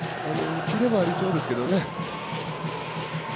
キレはありそうですけどね。